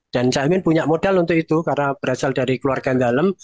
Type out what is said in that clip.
dan caimin punya modal untuk itu karena berasal dari keluarga yang dalam